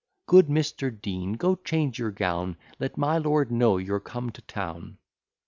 "Good Mr. Dean, go change your gown, Let my lord know you're come to town."